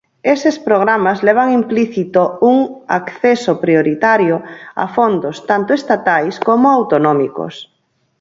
Eses programas levan implícito un acceso prioritario a fondos tanto estatais como autonómicos.